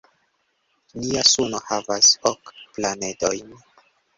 Nia suno havas ok planedojn.